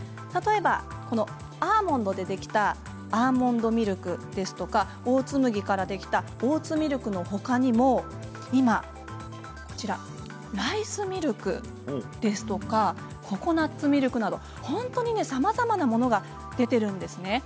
例えばアーモンドでできたアーモンドミルクですとかオーツ麦からできたオーツミルクのほかにもライスミルクですとかココナツミルクなど本当にさまざまなものが出ているんです。